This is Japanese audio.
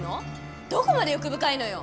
どこまで欲深いのよ！